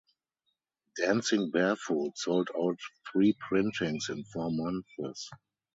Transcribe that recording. "Dancing Barefoot" sold out three printings in four months.